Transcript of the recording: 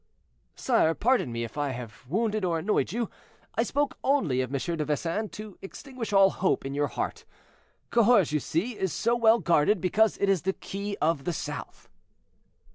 "Sire, pardon me if I have wounded or annoyed you. I spoke only of M. de Vesin to extinguish all hope in your heart. Cahors, you see, is so well guarded because it is the key of the south."